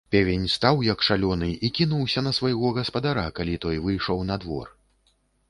Певень стаў як шалёны і кінуўся на свайго гаспадара, калі той выйшаў на двор.